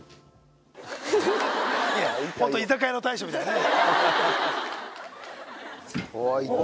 ホント居酒屋の大将みたいだね。